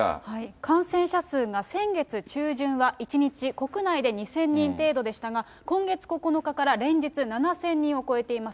感染者数が先月中旬は１日国内で２０００人程度でしたが、今月９日から連日７０００人を超えています。